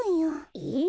えっ？